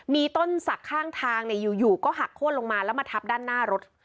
มีต้นสักข้างทางเนี่ยอยู่อยู่ก็หักโค้นลงมาแล้วมาทับด้านหน้ารถ